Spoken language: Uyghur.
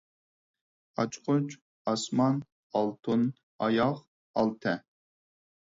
ئاچقۇچ، ئاسمان، ئالتۇن، ئاياغ، ئالتە.